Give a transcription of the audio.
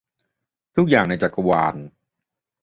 ทุกอย่างในจักรวาล